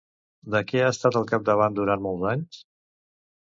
De què ha estat al capdavant durant molts anys?